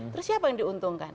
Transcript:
terus siapa yang diuntungkan